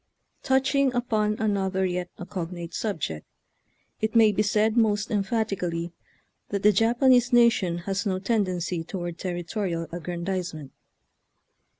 Touching upon another yet a cognate subject, it may be said most emphatically that the Japanese nation has no tendency toward territorial aggrandizement.